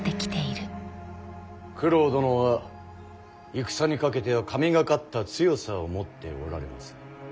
九郎殿は戦にかけては神がかった強さを持っておられます。